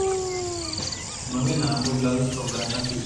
Se mueven a ambos lados con gran agilidad.